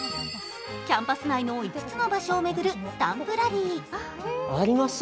キャンパス内の５つの場所を巡るスタンプラリー。